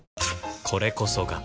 これこそが